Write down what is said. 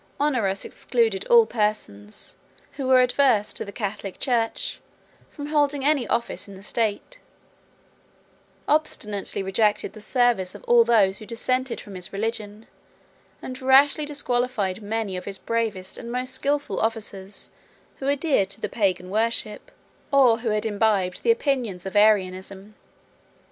Honorius excluded all persons, who were adverse to the Catholic church, from holding any office in the state; obstinately rejected the service of all those who dissented from his religion; and rashly disqualified many of his bravest and most skilful officers, who adhered to the Pagan worship, or who had imbibed the opinions of Arianism.